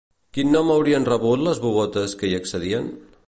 Quin nom haurien rebut, les bubotes que hi accedien?